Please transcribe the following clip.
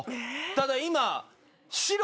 ただ今。